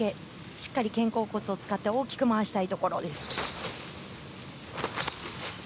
しっかり肩甲骨を使って大きく回したい。